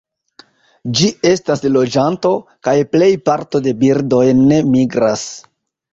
Ĝi estas loĝanto, kaj plej parto de birdoj ne migras.